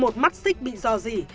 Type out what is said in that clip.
các xích bị dò dỉ